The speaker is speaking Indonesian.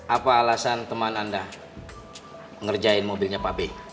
apa alasan teman anda ngerjain mobilnya pak b